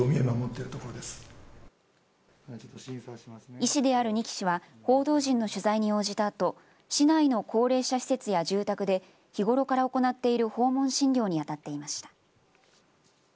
医師である仁木氏は報道陣の取材に応じたあと市内の高齢者施設や住宅で日頃から行っている訪問診療に当たっていました。